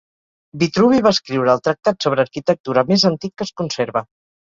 Vitruvi va escriure el tractat sobre arquitectura més antic que es conserva.